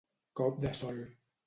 Cop de sol.